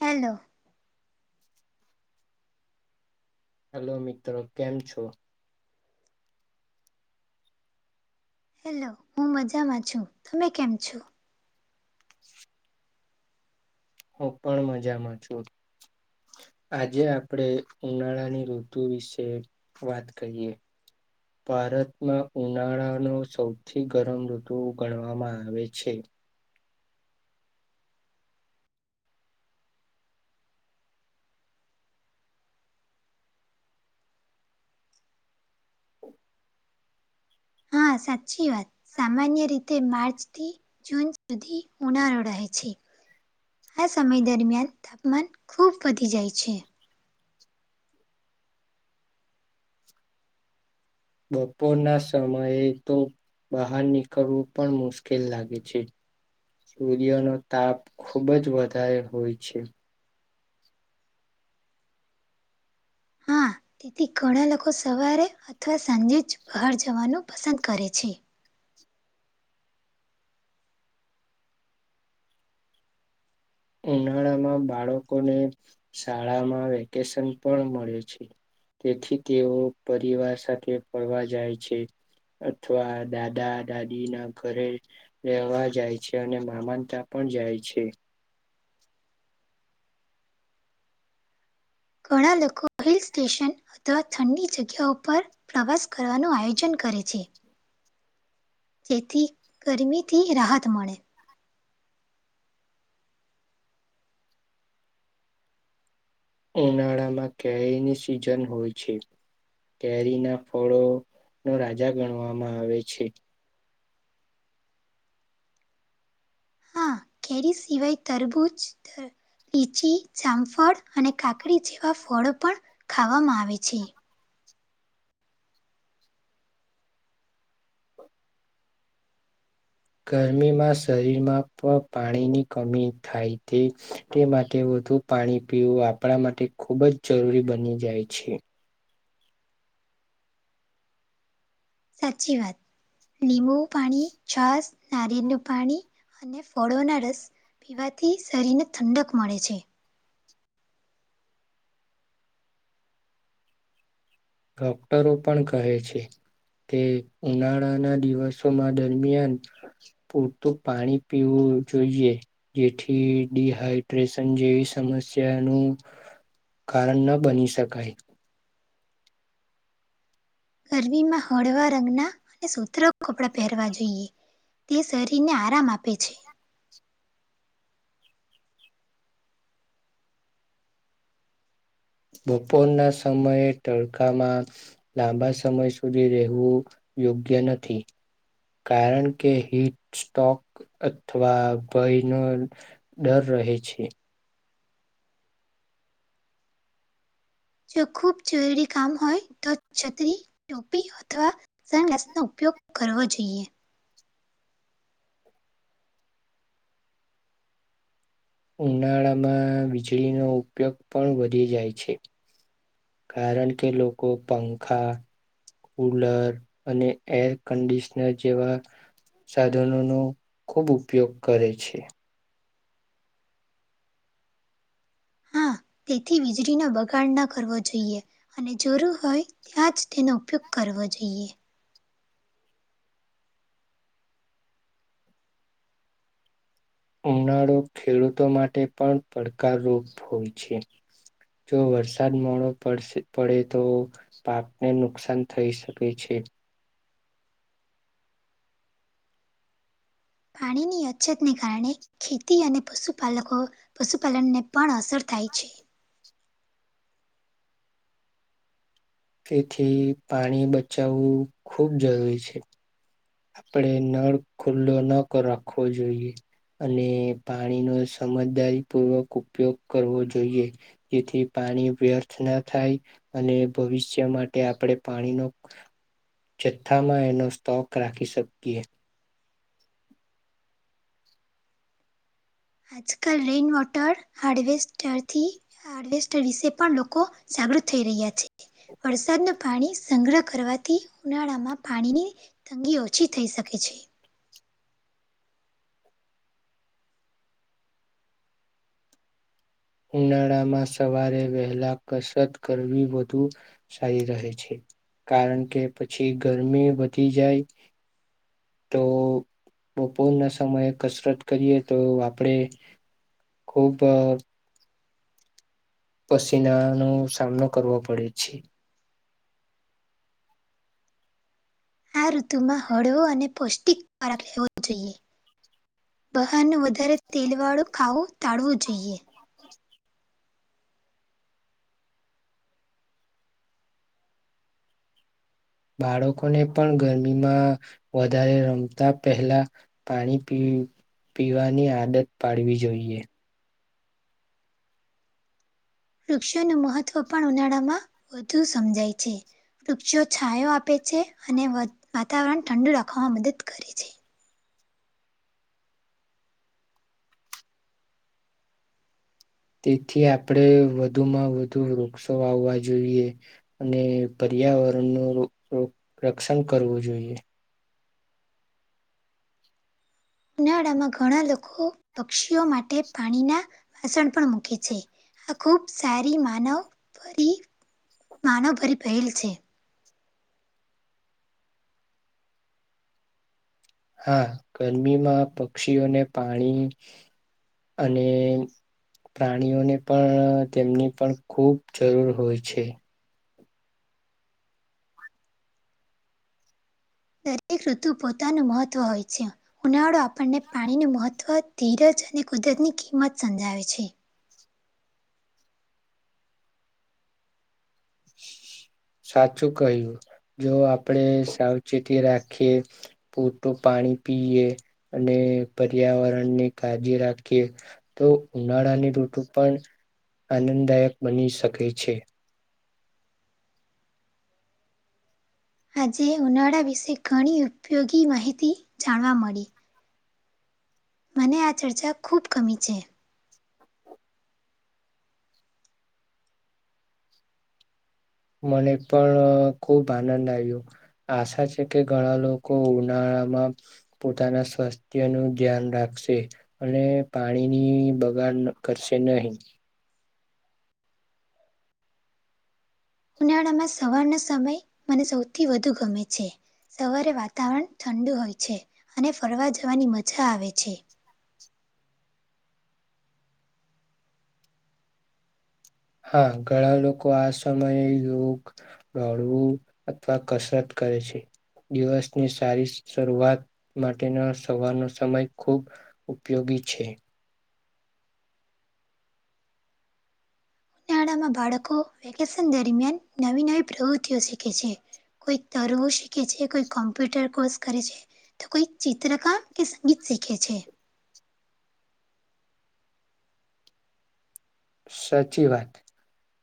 Hello. Hello મિત્રો કેમ છો. હેલો હું મજામાં છું તમે કેમ છો. હું પણ મજામાં છું. આજે આપણે ઉનાળાની ઋતુ વિશે વાત કરીએ. ભારતમાં ઉનાળાનો સૌથી ગરમ ઋતુ ગણવામાં આવે છે. હા સાચી વાત સામાન્ય રીતે માર્ચ થી જૂન સુધી રહે. આ સમય દરમિયાન તાપમાન ખુબ વધી જાય છે. બપોર ના સમયે તો. બહાર નીકળવું પણ મુશ્કેલ લાગે છે. સૂર્યનો તાપ ખૂબ જ વધારે હોય છે. હા તેથી ઘણા લોકો સવારે અથવા સાંજે જ બહાર જવાનું પસંદ કરે છે. ઉનાળામાં બાળકોને શાળામાં વેકેશન પણ મળે છે તેથી તેઓ પરિવાર સાથે ફરવા જાય છે અથવા દાદા દાદી ના ઘરે રહેવા જાય છે અને મામા ના ત્યાં પણ જાય છે ઘણા લોકો હિલ સ્ટેશન અથવા ઠંડી જગ્યાઓ પર પ્રવાસ કરવાનું આયોજન કર કરે છે જેથી ગરમીથી રાહત મળે. ઉનાળામાં કેરીની સિઝન હોય છે. કેરીના ફળો નો રાજા ગણવામાં આવે છે. હા કેરી સિવાય તરબૂજ. લીચી જામફળ અને કાકડી જેવા ફળો પણ ખાવામાં આવે છે. ગરમીમાં શરીરમાં પણ પાણીની કમી થાય છે તે માટે. વધું પાણી પીવું આપણા માટે ખૂબ જ જરૂરી બની જાય છે. સાચી વાત લીંબુ પાણી છસ નારીિયેલું પાણી. અને ફળોના રસ પીવાથી શરીરને ઠંડક મળે છે. ડોક્ટરો પણ કહે છે. કે ઉનાળાના દિવસોમાં દરમિયાન પૂરતું પાણી પીવું. જોઈએ જેથી ડિહાઈડ્રેશન જેવી સમસ્યાનું. કારણ ન બની શકાય. ગરમીમાં હળવા રંગના અને સત્ર કપડા પહેરવા જોઈએ. તે શરીરને આરામ આપે છે. [inaudible] બપોરના સમયે તડકામાં લાંબા સમય સુધી રહેવું યોગ્ય નથી કારણ કે હિટ સ્ટોક અથવા ભયનો દર રહી છે જો ખૂબ જરૂરી કામ હોય તો છતરી ટોપી અથવા સનગ્લાસ નો ઉપયોગ ઉપયોગ કરવો જોઈએ ઉનાળામાં વીજળીનો ઉપયોગ પણ વધી જાય છે કારણ કે લોકોો પંખા કુલર અને એર કન્ડિશનર જેવા સાધનો નો ખૂબ ઉપયોગ કરે છે હા [inaudible] તેથી વીજળીનો બગાડ ના કરવો જોઈએ અને જરૂર હોય ત્યાં જ તેનો ઉપયોગ કરો જઈએ ઉનાળો ખેડૂતો માટે પણ પડકારરૂપ હોય છે જો વરસાદ મોડો પડ પડે તો પાકને નુકસાન થઈ શકે છે [inaudible] પાણીની અછતને કારણે ખેતી અને પશુપાલકો પશુપાલનને પણ અસર થાય. થાય છે. તેથી પાણી બચાવવું ખૂબ જરૂરી છે. આપણે નળ ખુલ્લો ન રાખવો જોઈએ. અને પાણીનો સમજદારી પૂર્વક ઉપયોગ કરવો જોઈએ જેથી પાણી પાણી વ્યર્થ ના થાય અને ભવિષ્ય માટે આપણે પાણીનો જથ્થામાં એનો સ્ટોક રાખી શકીએ. આજકાલ રેન વોટર હાર્વેસ્ટરથી હાર્વેસ્ટ વિશે પણ લોકો જાગૃત થઈ રહ્યા છે. વરસાદ નું પાણી સંગ્રહ કરવાથી ઉનાળામાં પાણીની તંગી ઓછી થઈ શકે છે. ઉનાળામાં સવારે વહેલા કસરત કરવી વધુ સારી રહે છે. કારણ કે પછી ગરમી વધી જાય તો બપોરના સમયે કસરત કરીએ તો આપણેે ખુબ અહ પસીનાનો સામનો કરવો પડે છે. આ ઋતુમાં હળવો અને પૌષ્ટિક આહાર લેવો જ જોઈએ. અને વધારે તેલવાળું ખાવું ટાળવું જોઈએ. બાળકોને પણ ગરમીમાં વધારે રમતા પહેલા પાણી પી પીવાની આદત પાડવી જોઈએ. વૃક્ષોનું મહત્વ પણ ઉનાળામાં વધુ સમજાય છે. વૃક્ષો છાાયો આપે છે અને વાતાવરણ ઠંડુ રાખવામાં મદદ કરે છે. તેથી આપણેે વધુમાં વધુ વૃક્ષો વાવવા જોઈએ અને પરી પર્યાવરણનું રક્ષણ કરવું જોઈએ. ઉનાળામાં ઘણા લોકો પક્ષીઓ માટે પાણીના વાસણ પણ મૂકે છે આ ખુબ સારી માનવભરી માનવભરી પહેલ છે. હા! ગરમીમાં પક્ષીઓને પાણી અને પ્રાણીઓને પણ તેમની પણ ખૂબ જરૂર હોય છે. દરેક ઋતુ પોતાનું મહત્વ હોય છે. ઉનાળો આપણને પાણીનું મહત્વ ધીરજ અને કુદરતની કિંમત સમજાવે છે. સાચું કહ્યું જો આપણેે સાવચેતી રાખીએ પૂરતું પાણી પાણી પીએ અને પર્યાવરણની કાળજી રાખીએ તો ઉનાળાની ઋતુ પણ આનંદદાયક બની શકે છે. આજે ઉનાળા વિશે ઘણી ઉપયોગી માહિતી જાણવા મળી. મને આ ચર્ચા ખૂબ ગમી છે. મને પણ અહ ખુબ આનંદ આયો. આશા છે કે ઘણા લોકો ઉનાળા આમાં પોતાના સ્વાસ્થ્ય નું ધ્યાન રાખશે, અને પાણીની બ બગાડ ન કરશે નહી. ઉનાળામાં સવારનો સમય મને સૌથી વધુ ગમે છે. સવારે વાતાવરણ ઠંડુ હોય છે, અને ફરવા જવાની મજા આવે છે. હા, ઘણા લોકો આ સમયે યોગ, દોડવું અથવા કસરત કરે છે. દિવસની સારી શરૂઆત માટેના સવારનો સમય ખૂબ ઉપયોગી ગી છે. ઉનાળામાં બાળકો વેકેશન દરમિયાન નવી-નવી પ્રવૃતિઓ શીખે છે. કોઈ તરવું શીખે છે, કોઈ કોમ્પ્યુટર કોર્સ કરે છે, તો કોઈ ચિત્રકામ કે સંગીત શીખે છે. સાચી વાત.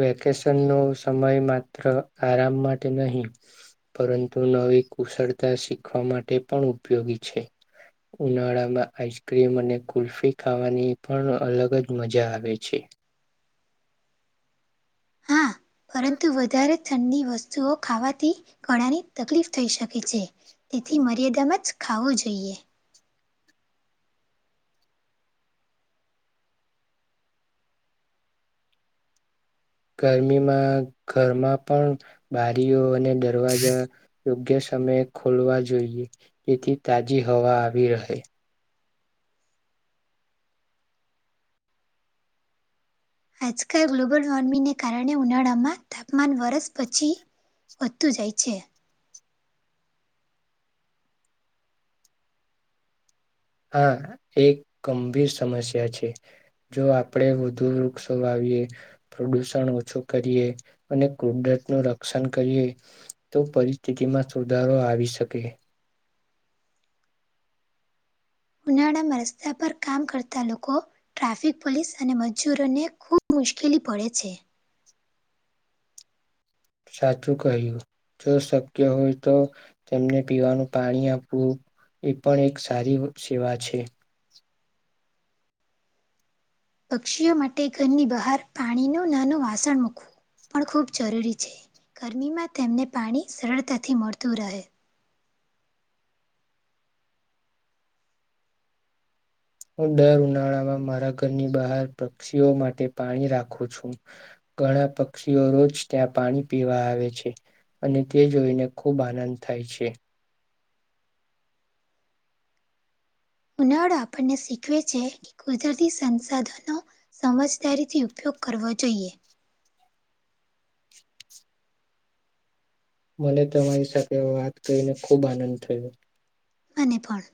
વેકેશન નો સમય માત્ર આરામ માટે નહીં પરંતુ ન વી કુશળતા શીખવા માટે પણ ઉપયોગી છે. ઉનાળામાં આઈસક્રીમ અને કુલ્ફી ખાવાની પણ અલગ જ મજા આવે છે. હા [inaudible] પરંતુ વધારે ઠંડી વસ્તુઓ ખાવાથી ગળાની તકલીફ થઈ શકે છે. તેથી મર્યાદામાં જ ખાવું જોઈએ. ગરમીમાં ઘરમાં પણ બારીઓ અને દરવાજા યોગ્ય સમયે ખોલવા જોઈએ, તેથી તાજી હવા આવી રહે. આજકાલ ગ્લોબલ વોર્મિંગને કારણે ઉનાળામાં તાપમાન વરસ પછી વધતું જાય છે. [inaudible] આ એક ગંભીર સમસ્યા છે. જો આપણેે વધુ વૃક્ષો વાવ વીએ પ્રદૂષણ ઓછું કરીએ, અને કુદરત નું રક્ષણ કરીએ તો પરિસ્થિતિમાં સુધારો આવી શકે હે. ઉનાળામાં રસ્તા પર કામ કરતા લોકો ટ્રાફિક પોલીસ અને મજૂરોને ખુબ મુશ્કેી પડે છે. સાચું કહ્યું. જો શક્ય હોય તો તેમને પીવાનું પાણી આપવું. એ પણ એક સારી સેવા છે. પક્ષીઓ માટે ઘરની બહાર પાણી ન નાનું વાસણ મૂકવું. પણ ખૂબ જરૂરી છે, ગરમીમાં તેમને પાણી સરળતાથી મળતું રહે. હું દર ઉનાળામાં મારા ઘરની બહાર પક્ષીઓ માટે પાણી રાખું છું. ઘણા પક્ષીઓ રોજ ત્યાં પાણી પીવા આવે છે. અને તે જોઈને ખૂબ આનંદ થાય છે. ઉનાળો આપણને શીખવે છે કે કુદરતી સંસાધનો સમજદારીથી ઉપયોગ કરવો જોઈએ. મને તમારી સાથે વાત કરી ને ખૂબ આનંદ થયો. મને પણ.